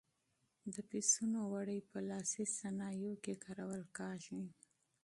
د پسونو وړۍ په لاسي صنایعو کې کارول کېږي.